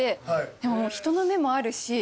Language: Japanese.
でも人の目もあるし。